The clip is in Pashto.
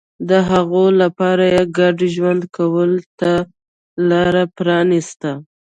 د هغوی لپاره یې ګډ ژوند کولو ته لار پرانېسته.